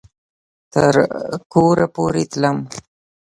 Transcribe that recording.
تر کوره پورې تلم